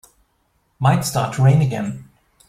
Might start to rain again.